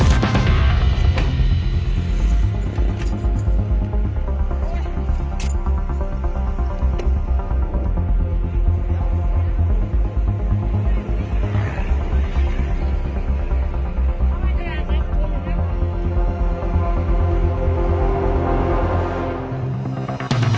จด